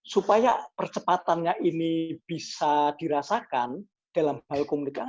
supaya percepatannya ini bisa dirasakan dalam hal komunikasi